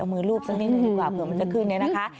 เอามือรูปสักนิดหนึ่งดีกว่าเผื่อมันจะขึ้นเนี่ยนะคะ